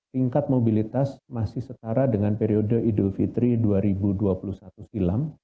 tingkat mobilitas masih setara dengan periode idul fitri dua ribu dua puluh satu silam